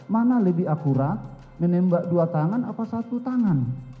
mana lebih akurat menembak dua tangan apa satu tangan